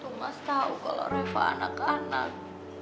tuh mas tau kalau refah anak anak